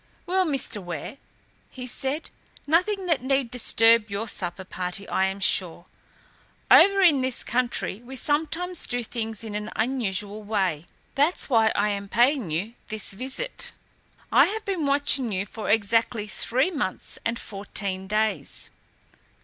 "Well, Mr. Ware," he said, "nothing that need disturb your supper party, I am sure. Over in this country we sometimes do things in an unusual way. That's why I am paying you this visit. I have been watching you for exactly three months and fourteen days."